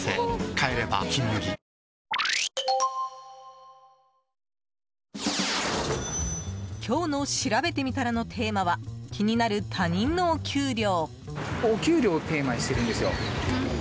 帰れば「金麦」今日のしらべてみたらのテーマは、気になる他人のお給料。